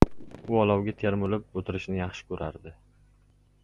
U olovga termulib o‘tirishni yaxshi ko‘radi.